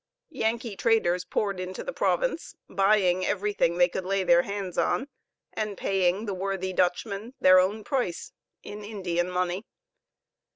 Yankee traders poured into the province, buying everything they could lay their hands on, and paying the worthy Dutchmen their own price in Indian money.